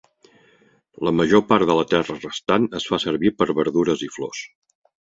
La major part de la terra restant es fa servir per verdures i flors.